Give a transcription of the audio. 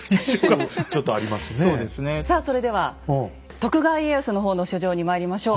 さあそれでは徳川家康の方の書状にまいりましょう。